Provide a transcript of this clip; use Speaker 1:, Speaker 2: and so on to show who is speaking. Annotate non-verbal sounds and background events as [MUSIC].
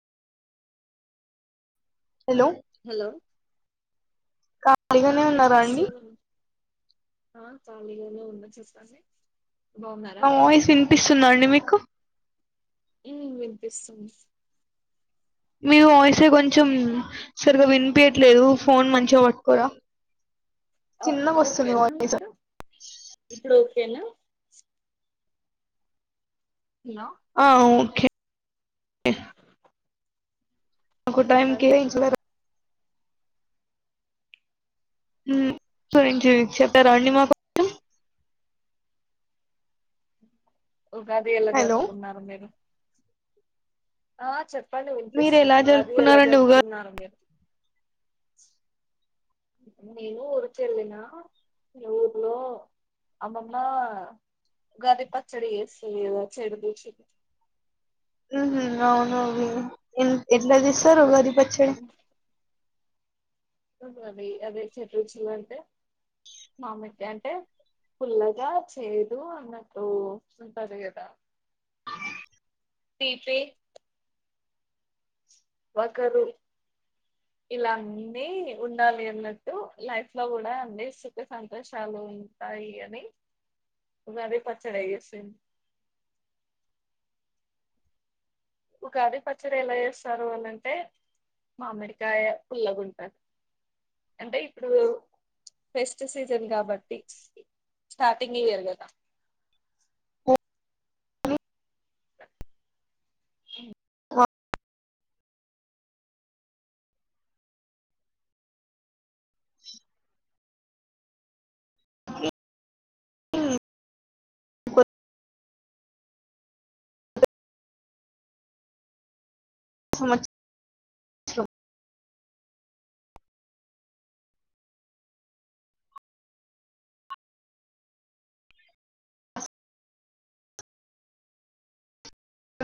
Speaker 1: Hello
Speaker 2: hello ఆ
Speaker 1: ఖాళీగానే ఉన్నారా అండి
Speaker 2: వినిపిస్తున్నాను ఆ ఖాళీగానే ఉన్న చెప్పండి బాగున్నారా
Speaker 1: నా వాయిస్ వినిపిస్తుంద అండి మీకు
Speaker 2: మ్మ్ వినిపిస్తుంది
Speaker 1: మీ వాయిసే కొంచెం సరిగ్గా వినిపియట్లేదు ఫోన్ మంచిగా పట్టుకోరా
Speaker 2: ఆ
Speaker 1: చిన్నగా
Speaker 2: ఓకే
Speaker 1: వస్తుంది
Speaker 2: నా
Speaker 1: వాయిస్
Speaker 2: ఇప్పుడు ఇప్పుడు ఓకేనా హలో
Speaker 1: ఆ ఓకే
Speaker 2: చెప్పండి
Speaker 1: [UNINTELLIGIBLE] మ్మ్ [UNINTELLIGIBLE] చెప్తారా మాకు [INAUDIBLE]
Speaker 2: ఉగాది ఎలా
Speaker 1: హలో
Speaker 2: జరుపుకున్నారు మీరు ఆ చెప్ చెప్పడి
Speaker 1: మీరు
Speaker 2: వినిపిస్తుంది
Speaker 1: ఎలా
Speaker 2: ఉగాది ఎలా
Speaker 1: జరుపుకున్నారండి ఉగాది
Speaker 2: జరుపుతున్నారు మీరు నేను ఊరికేళ్ళిన మీ ఊర్లో అమ్మమ్మ ఉగాది పచ్చడి వేస్తేదా చెడు దూచ
Speaker 1: హ్మ్ హు అవునా ఎట్లా దిస్తారు ఉగాది వచ్చడి
Speaker 2: వస్తుంది కాద అదే చెట్ రుచులు అంటే మామటి అంటే ఫుల్లగా చేదు అన్నట్ంటంది కదా తీపి ఒకరు ఇలా అన్నీ ఉండాలి అన్నట్టు లైఫ్ లో కూడా అన్ని సుఖ సంతోషాలు ఉంటాయి అని ఉగాది పచ్చడి యేసింది ఉగాది పచ్చడి ఎలా చేస్తారు అనంటే మామిడికాయ పుల్లగుంటది. అంటే ఇప్పుడు ఫెస్ట్ సీజన్ కాబట్టి స్టార్టింగ్ ఇయరు కదా
Speaker 1: ఓన్లీ
Speaker 2: మ్
Speaker 1: ఆ మ్మ్ [INAUDIBLE]